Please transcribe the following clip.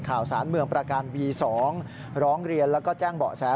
ข่าวสารเมืองประการวี๒ร้องเรียนแล้วก็แจ้งเบาะแส